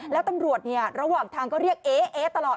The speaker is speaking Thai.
แล้วตำรวจระหว่างทางก็เรียกเอ๊ะตลอด